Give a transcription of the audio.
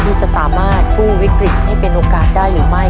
ที่จะสามารถกู้วิกฤตให้เป็นโอกาสได้หรือไม่